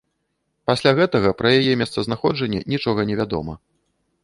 Пасля гэтага пра яе месцазнаходжанне нічога не вядома.